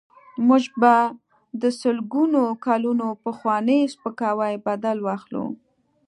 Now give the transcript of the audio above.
موږ به د سلګونو کلونو پخواني سپکاوي بدل واخلو.